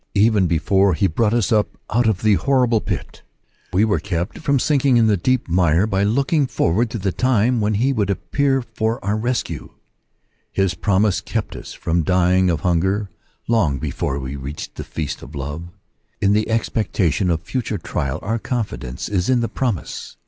Even before he brought us up out of the horrible pit, we were kept from sinking in the deep mire by looking forward to the time when he would appear for our rescue. His promise kept us from dying of hunger The Valuation of the Promises. 69 long before we reached the feast of love. In the expectation of future trial our confidence is in the promise.